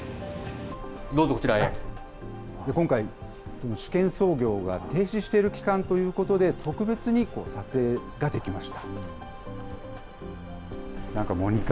今回、試験操業が停止している期間ということで、特別に撮影ができました。